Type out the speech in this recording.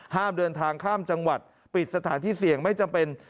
ห้ามเดินทางข้ามจังหวัดปิดสถานที่เสี่ยงไม่จำเป็น